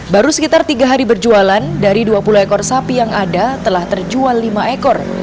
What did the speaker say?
baru sekitar tiga hari berjualan dari dua puluh ekor sapi yang ada telah terjual lima ekor